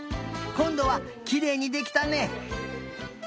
こんどはきれいにできたね。